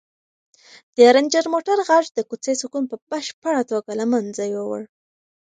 د رنجر موټر غږ د کوڅې سکون په بشپړه توګه له منځه یووړ.